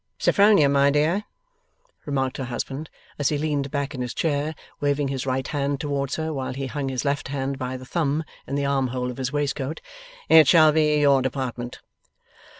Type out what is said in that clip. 'Sophronia, my dear,' remarked her husband, as he leaned back in his chair, waving his right hand towards her, while he hung his left hand by the thumb in the arm hole of his waistcoat: 'it shall be your department.